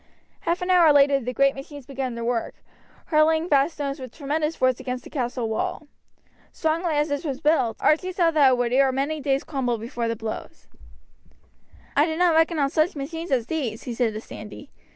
Half an hour later the great machines began to work, hurling vast stones with tremendous force against the castle wall. Strongly as this was built, Archie saw that it would ere many days crumble before the blows. "I did not reckon on such machines as these," he said to Sandy.